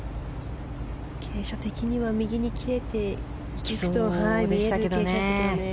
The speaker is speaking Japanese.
傾斜的には右に切れていくように見える傾斜でしたけどね。